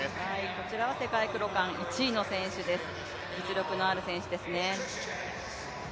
こちらは世界クロカン１位の選手です、実力のある選手です。